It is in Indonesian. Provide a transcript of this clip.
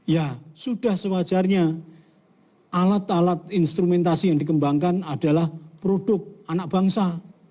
ya sudah sewajarnya alat alat instrumentasi yang dikembangkan adalah produk anak bangsa